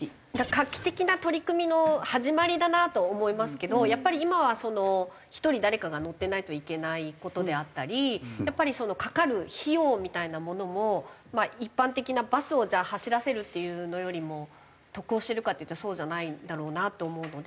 画期的な取り組みの始まりだなと思いますけどやっぱり今は１人誰かが乗ってないといけない事であったりやっぱりかかる費用みたいなものも一般的なバスをじゃあ走らせるっていうのよりも得をしてるかっていうとそうじゃないだろうなと思うので。